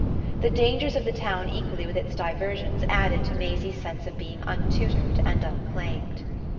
The dangers of the town equally with its diversions added to Maisie's sense of being untutored and unclaimed.